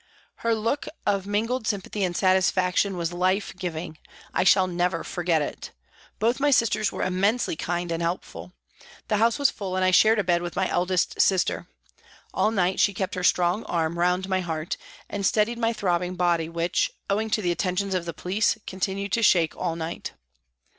Her look of mingled sympathy and satisfaction was life giving, I shall never forget it. Both my sisters were immensely kind and helpful. The house was full, and I shared a bed with my eldest sister. All night she kept her strong arm round my heart and steadied my throbbing body which, owing to the attentions of the police, continued to shake all night.